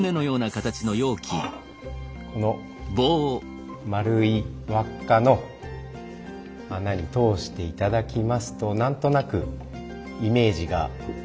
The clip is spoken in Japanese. この円い輪っかの穴に通して頂きますと何となくイメージが。